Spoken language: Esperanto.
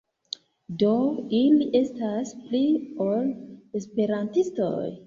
Do ili estas pli ol Esperantistoj.